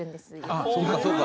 あっそうかそうか。